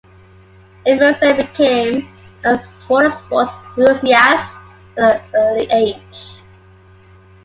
Emerson became a motorsports enthusiast at an early age.